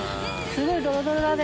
すごいドロドロだね。